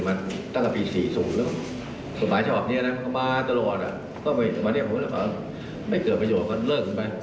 มันก็มาตลอดอ่ะก็ไม่เกิดประโยชน์ก็เลิกกันไป